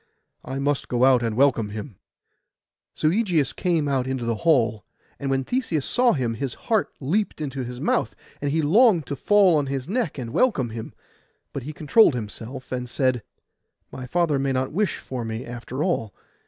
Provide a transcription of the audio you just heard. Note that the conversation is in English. I must go out and welcome him.' So Ægeus came out into the hall; and when Theseus saw him, his heart leapt into his mouth, and he longed to fall on his neck and welcome him; but he controlled himself, and said, 'My father may not wish for me, after all.